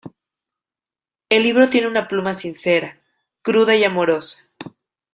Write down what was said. El libro tiene una pluma sincera, cruda y amorosa.